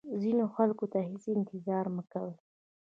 ځینو خلکو ته هیڅ انتظار مه کوئ.